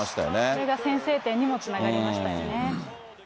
これが先制点にもつながりましたよね。